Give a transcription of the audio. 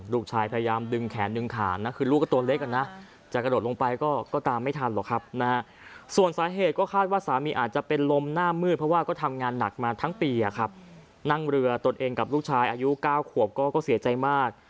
ลูกชายพยายามดึงแขนดึงขานะคือลูกก็ตัวเล็กอ่ะนะจะกระโดดลงไปก็ตามไม่ทันหรอกครับนะฮะส่วนสาเหตุก็คาดว่าสามีอาจจะเป็นลมหน้ามืดเพราะว่าก็ทำงานหนักมาทั้งปีนั่งเรือตนเองกับลูกชายอายุ๙ขวบก็เสียใจมาก